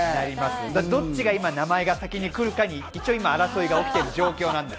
どっちが今、名前が先に来るか争いが起きている状況です。